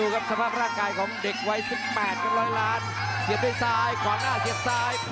ครบ๓ยกเรียบร้อยแล้วครับ